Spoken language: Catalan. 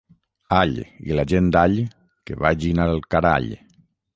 All i la gent d'All, que vagin al carall.